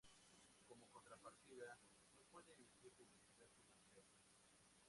Como contrapartida, no puede emitir publicidad comercial.